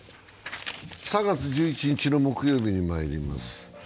３月１１日の木曜日にまいります。